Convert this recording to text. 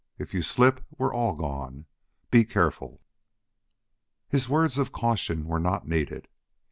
If you slip we're all gone. Be careful." His words of caution were not needed.